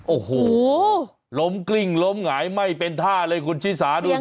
โอ้โหล้มกลิ้งล้มหงายไม่เป็นท่าเลยคุณชิสาดูสิ